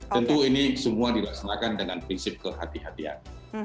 tentu ini semua dilaksanakan dengan prinsip kehatian